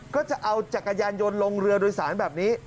ก็จะเอาจักรยานยนต์ลงเรือโดยสารแบบนี้